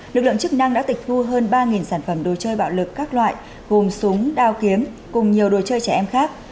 lực lượng chức năng đã tịch thu hơn ba sản phẩm đồ chơi bạo lực các loại gồm súng đao kiếm cùng nhiều đồ chơi trẻ em khác